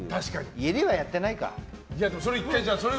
家ではやってないか。